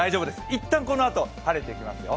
一旦このあと晴れてきますよ。